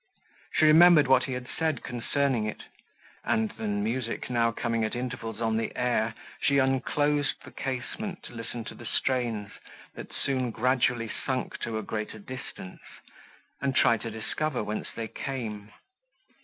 She remembered what he had said concerning it, and, the music now coming at intervals on the air, she unclosed the casement to listen to the strains, that soon gradually sunk to a greater distance, and tried to discover whence they came.